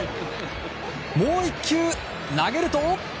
もう１球投げると。